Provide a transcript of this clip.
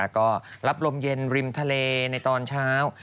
ก็รับลมเย็นริมทะเลในตอนเช้า